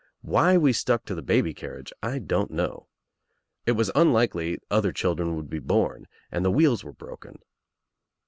Why we stuck to the baby carriage I don't know. It was unlikely other children would be born and the wheels were broken.